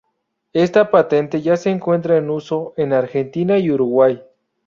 Esta patente ya se encuentra en uso en Argentina y Uruguay.